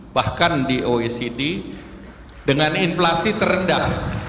bahkan di oecd dengan inflasi terendah